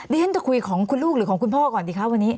เรียนจะคุยของคุณลูกหรือของคุณพ่อก่อนดีคะวันนี้